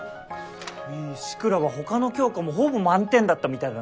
志倉は他の教科もほぼ満点だったみたいだな。